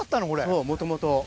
そう、もともと。